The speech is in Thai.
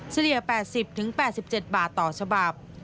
เลี่ย๘๐๘๗บาทต่อฉบับ